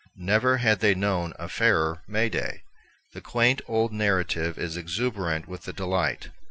Never had they known a fairer May day. The quaint old narrative is exuberant with delight.